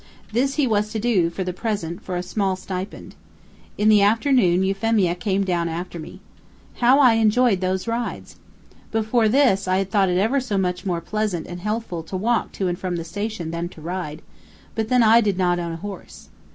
This he was to do, for the present, for a small stipend. In the afternoon Euphemia came down after me. How I enjoyed those rides! Before this I had thought it ever so much more pleasant and healthful to walk to and from the station than to ride, but then I did not own a horse.